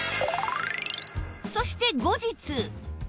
そして後日